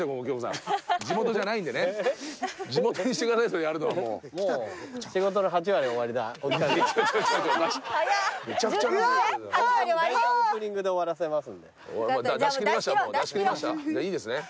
じゃあいいですね。